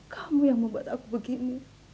kamu yang membuat aku begini